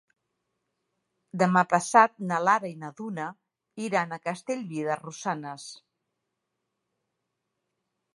Demà passat na Lara i na Duna iran a Castellví de Rosanes.